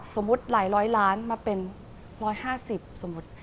สมมุติหลายร้อยล้านมาเป็น๑๕๐สมมุติ